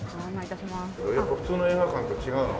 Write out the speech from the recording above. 普通の映画館と違うの？